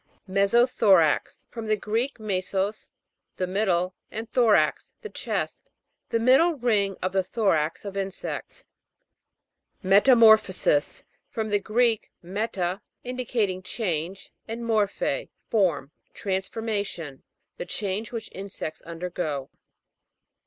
ME'SOTHORAX. From the Greek, mesos, the middle, and thorax, the chest. The middle ring of the thorax of insects. METAMOR'PHOSIS. From the Greek, mela, indicating change, and mor phe, form. Transformation. The change which insects undergo.